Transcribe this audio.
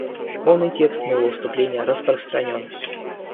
Полный текст моего выступления распространен.